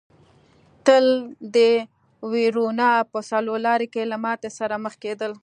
تل د وېرونا په څلور لاره کې له ماتې سره مخ کېدل.